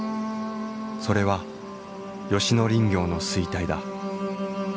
それは吉野林業の衰退だ。